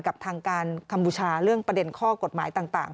กับทางการคัมพูชาเรื่องประเด็นข้อกฎหมายต่าง